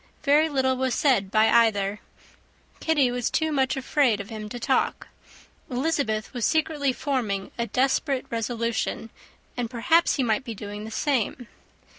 Very little was said by either; Kitty was too much afraid of him to talk; Elizabeth was secretly forming a desperate resolution; and, perhaps, he might be doing the same.